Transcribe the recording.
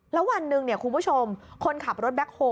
แล้ววันหนึ่งคุณผู้ชมคนขับรถแบ็คโฮล